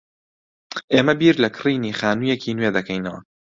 ئێمە بیر لە کڕینی خانوویەکی نوێ دەکەینەوە.